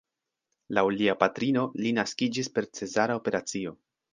Laŭ lia patrino li naskiĝis per cezara operacio.